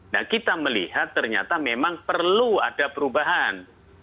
nah kita melihat ternyata memang perlu ada perubahan